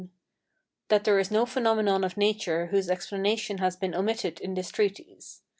French.] CXCIX. That there is no phenomenon of nature whose explanation has been omitted in this treatise.